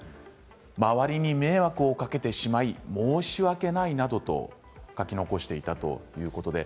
「周りに迷惑をかけてしまい申し訳ない」などと書き残していたということです。